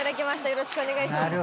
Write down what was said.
よろしくお願いします。